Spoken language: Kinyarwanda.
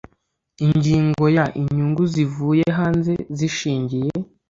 ingingo ya inyungu zivuye hanze zishingiye